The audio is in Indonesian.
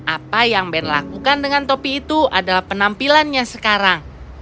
apa yang ben lakukan dengan topi itu adalah penampilannya sekarang